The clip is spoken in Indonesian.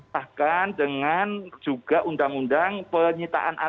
sahkan dengan juga undang undang penyitaan alam